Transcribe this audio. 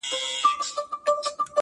بې دلیله نازولی د بادار دی.!